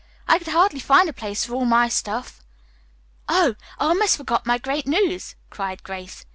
I could hardly find a place for all my stuff." "Oh, I almost forgot my great news," cried Grace.